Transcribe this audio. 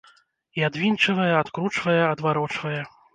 І адвінчвае, адкручвае, адварочвае.